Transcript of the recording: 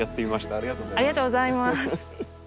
ありがとうございます。